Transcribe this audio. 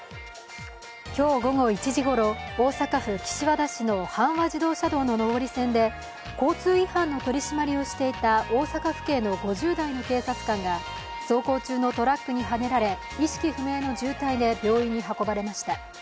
今日午後１時ごろ、大阪府岸和田市の阪和自動車道の上り線で交通違反の取り締まりをしていた大阪府警の５０代の警察官が、走行中のトラックにはねられ、意識不明の重体で病院に運ばれました。